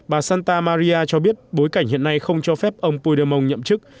bà santa maria cho biết bối cảnh hiện nay không cho phép ông pudermon nhậm chức